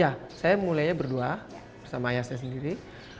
ya saya mulainya berdua bersama ayah saya sendiri